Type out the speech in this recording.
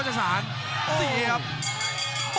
คมทุกลูกจริงครับโอ้โห